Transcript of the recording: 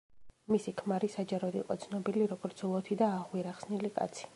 მისი ქმარი საჯაროდ იყო ცნობილი, როგორც ლოთი და აღვირახსნილი კაცი.